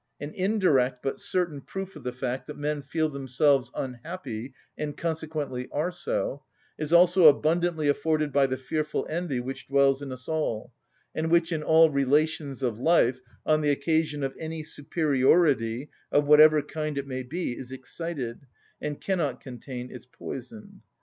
An indirect but certain proof of the fact that men feel themselves unhappy, and consequently are so, is also abundantly afforded by the fearful envy which dwells in us all, and which in all relations of life, on the occasion of any superiority, of whatever kind it may be, is excited, and cannot contain its poison.